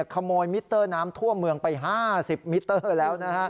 มิเตอร์น้ำทั่วเมืองไป๕๐มิเตอร์แล้ว